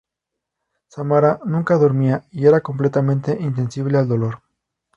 Samara nunca dormía y era completamente insensible al dolor.